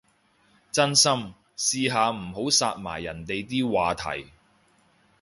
真心，試下唔好殺埋人哋啲話題